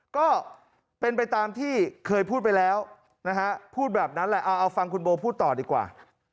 ก็เป็นไปตามที่เคยพูดไปแล้วนะฮะพูดแบบนั้นแหละเอาฟังคุณโบพูดต่อดีกว่า